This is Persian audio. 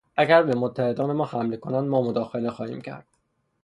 اگر به متحدان ما حمله کنند ما مداخله خواهیم کرد.